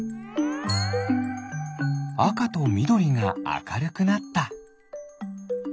あかとみどりがあかるくなった。